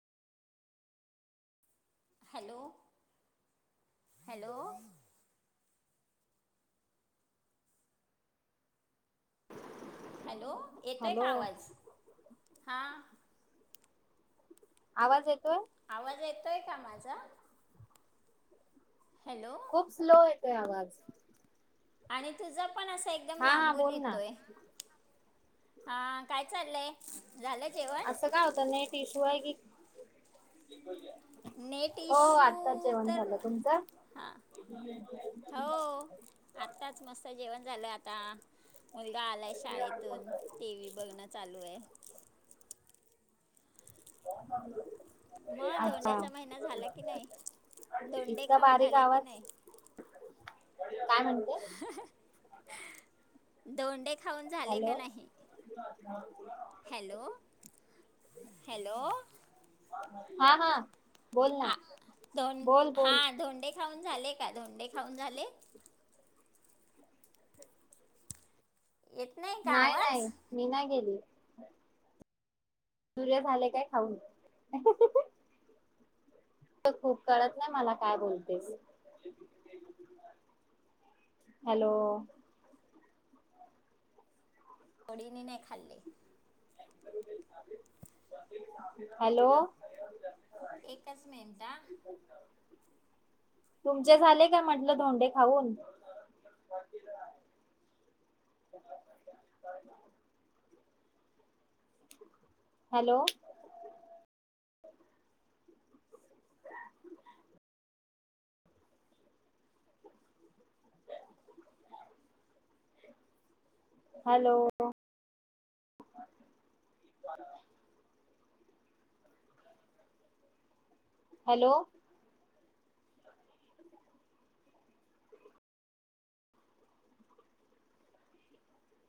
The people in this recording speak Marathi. हॅलो, [inaudible] हॅलो, [inaudible] हॅलो येतोय हॅलो का आवाज? [inaudible] हा. आवाज येतोय? आवाज येतोय का माझा? [inaudible] हॅलो [inaudible] खूप स्लो य ते आवाज, [inaudible] [inaudible] आणि तुझं पण असं एकदम हा हा लांबून बोल ना येतोय. [inaudible] हा, काय चाललंय? झालं [inaudible] जेवण असं काय होतं. नेट इश्यू आहे की [inaudible] नेट हो इशू आत्ताच जेवण तर झालं तुमचं [inaudible] हा [inaudible] हो [inaudible] आताच मस्त जेवण झालं आता [inaudible] मुलगा आलाय शाळेतून ते वही बघणं चालू आहे. [inaudible] [unintelligible] मग अच्छा धोंड्याचा महिना झाला की नाही. [inaudible] धोंडे इतका खाऊन बारीक झाले की आवाज नाही? [inaudible] काय म्हणत [inaudible] दोंडे खाऊन झाले का नाही. [inaudible] हा, हॅलो, [inaudible] हॅलो, हा [inaudible] हा बोल ना ों बोल हा बोल धोंडे खाऊन झाले का धोंडे खाऊन झाले येत का नाही नाही आवाज मी नाही गेली [unintelligible] सूर्य झाले काय खाऊन खूप कळत नाही मला काय बोलते हॅलो जोडीने नाही खाल्ली हॅलो एकच मिनट तुमचे झाले काय म्हटलं ोंडे खाऊन हॅलो हॅलो हॅलो